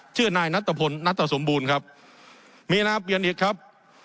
ชื่อนายนัตตะพลนัตสมบูรณ์ครับมีนาเปลี่ยนอีกครับ